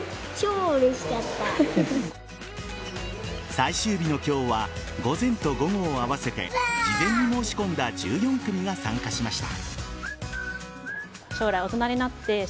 最終日の今日は午前と午後を合わせて事前に申し込んだ１４組が参加しました。